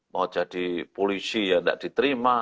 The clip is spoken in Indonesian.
mau jadi polisi ya tidak diterima